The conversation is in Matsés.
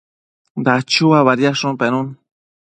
Dachua badiadshun pennu